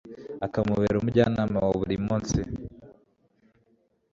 akamubera umujyanama wa buri munsi